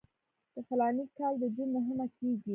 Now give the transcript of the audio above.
د فلاني کال د جون نهمه کېږي.